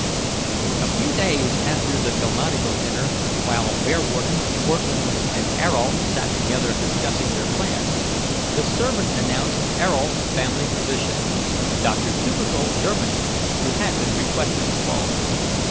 A few days after the Delmonico dinner, while Bearwarden, Cortlandt, and Ayrault sat together discussing their plans, the servant announced Ayrault's family physician, Dr. Tubercle Germiny, who had been requested to call.